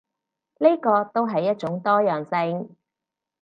呢個都係一種多樣性